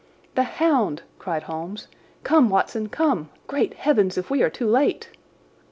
"The hound!" cried Holmes. "Come, Watson, come! Great heavens, if we are too late!"